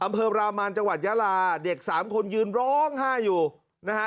อำเภอรามานจังหวัดยาลาเด็กสามคนยืนร้องไห้อยู่นะฮะ